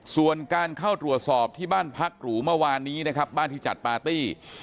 ส่วนการเข้าตรวจสอบที่บ้านพักหรูเมื่อวานนี้นะครับบ้านที่จัดปาร์ตี้